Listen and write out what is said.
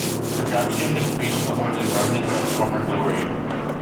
Production decreased to only remnants of former glory.